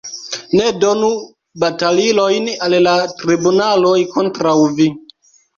Ne donu batalilojn al la tribunaloj kontraŭ vi.